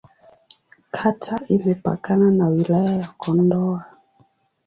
Kata imepakana na Wilaya ya Kondoa.